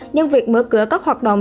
nhưng việc mở cửa các hoạt động